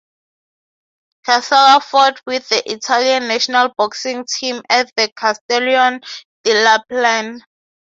Casella fought with the Italian national boxing team at the Castellon de la Plan.